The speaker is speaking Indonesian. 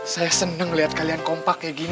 saya seneng liat kalian kompak kayak gini